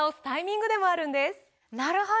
なるほど！